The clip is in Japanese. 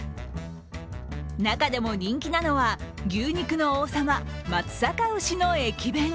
中でも人気なのは牛肉の王様、松阪牛の駅弁。